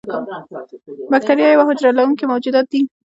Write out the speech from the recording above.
بکتیریا یوه حجره لرونکي موجودات دي.